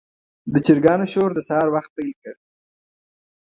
د چرګانو شور د سهار وخت پیل کړ.